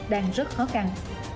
đang rất khó khăn